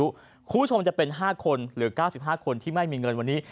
คุณผู้ชมจะเป็น๕คนหรือ๙๕คนที่ไม่มีเงินวันนี้